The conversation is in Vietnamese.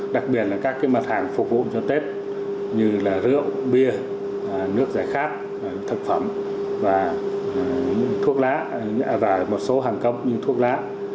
đặc biệt là các mặt hàng phục vụ cho tết như rượu bia nước giải khát thực phẩm và thuốc lá và một số hàng công như thuốc lá